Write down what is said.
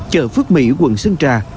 chợ phước mỹ quận sơn trà